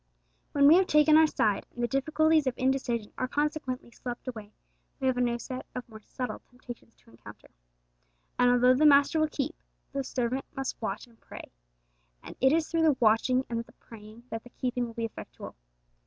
When we have taken our side, and the difficulties of indecision are consequently swept away, we have a new set of more subtle temptations to encounter. And although the Master will keep, the servant must watch and pray; and it is through the watching and the praying that the keeping will be effectual.